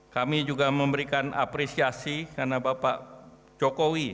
kami juga memberikan apresiasi karena bapak jokowi